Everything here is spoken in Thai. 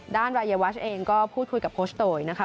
รายวัชเองก็พูดคุยกับโคชโตยนะคะ